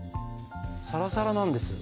サラサラなんです。